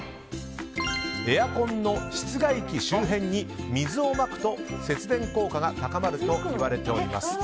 エアコンの室外機周辺に水をまくと節電効果が高まるといわれております。